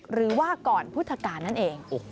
หรือว่าก่อนพุทธกาลนั่นเอง